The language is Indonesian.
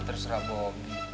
terus ra bob